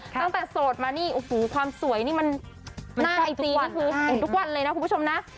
ตั้งแต่โสดมานี่โอ้โหความสวยนี่มันหน้าไอจีนี่คือเห็นทุกวันเลยนะคุณผู้ชมนะ